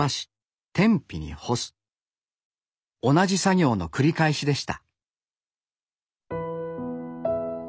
同じ作業の繰り返しでした。